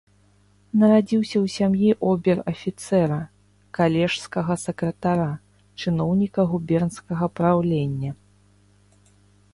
Нарадзіўся ў сям'і обер-афіцэра, калежскага сакратара, чыноўніка губернскага праўлення.